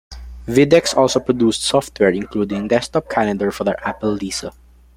Videx also produced software, including Desktop Calendar for the Apple Lisa.